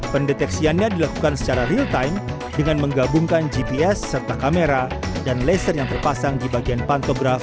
pendeteksiannya dilakukan secara real time dengan menggabungkan gps serta kamera dan laser yang terpasang di bagian pantograf